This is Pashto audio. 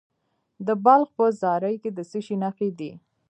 د بلخ په زاري کې د څه شي نښې دي؟